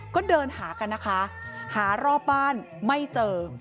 ก็เดินหากันนะคะหารอบบ้านไม่เจอ